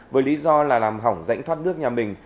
với lý do là làm hỏng rãnh thoát nước nhà mình